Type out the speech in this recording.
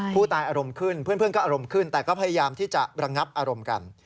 ผู้ตายอารมณ์ขึ้นเพื่อนก็อารมณ์ขึ้นแต่ก็พยายามที่จะระงับอารมณ์กัน